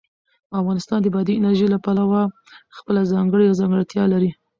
افغانستان د بادي انرژي له پلوه خپله ځانګړې ځانګړتیا لري.